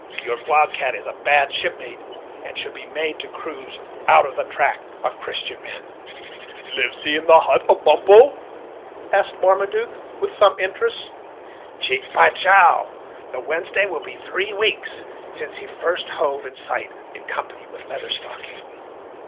Your wild cat is a bad shipmate, and should be made to cruise out of the track of Christian men." "Lives he in the hut of Bumppo?" asked Marmaduke, with some interest. "Cheek by jowl; the Wednesday will be three weeks since he first hove in sight, in company with Leather Stocking.